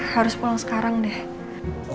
harus pulang sekarang deh